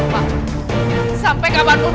pak sampai kapanpun